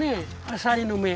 あさりの目。